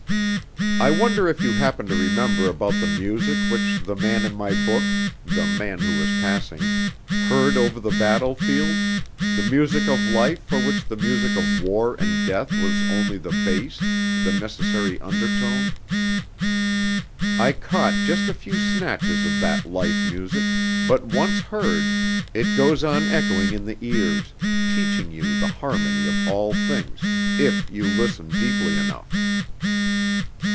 "I wonder if you happen to remember about the music which the man in my book (the man who was passing) heard over the battlefield, the music of life for which the music of war and death was only the bass, the necessary undertone? I caught just a few snatches of that life music, but once heard it goes on echoing in the ears, teaching you the harmony of all things, if you listen deeply enough.